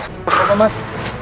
sampai jumpa mas